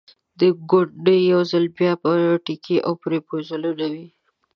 ګوندې یو ځل بیا به ټیکې او پروپوزلونه وي.